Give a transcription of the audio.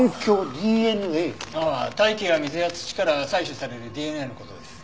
大気や水や土から採取されるＤＮＡの事です。